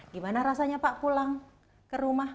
gimana rasanya pak pulang ke rumah